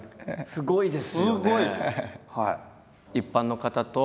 すごいです！